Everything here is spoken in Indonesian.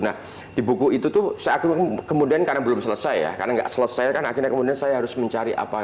nah di buku itu tuh saya kemudian karena belum selesai ya karena nggak selesai kan akhirnya kemudian saya harus mencari apa